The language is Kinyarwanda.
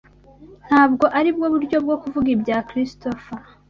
Ntabwo aribwo buryo bwo kuvuga ibya Christopher.